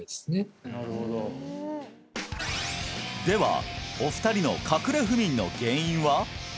ではお二人のかくれ不眠の原因は？